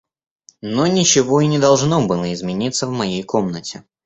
Но ничего и не должно было измениться в моей комнате.